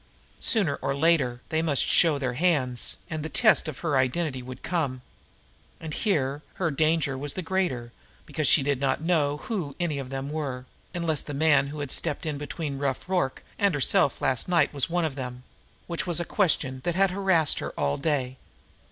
Sooner or later, they must show their hands, and the test of her identity would come. And here her danger was the greater because she did not know who any of them were, unless the man who had stepped in between Rough Rorke and herself last night was one of them which was a question that had harassed her all day.